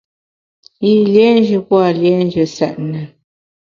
Yî liénjù pua liénjù nsètne.